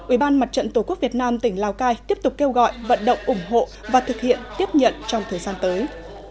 ubnd tqvn tỉnh lào cai tiếp tục kêu gọi vận động ủng hộ và thực hiện tiếp nhận trong thời gian tới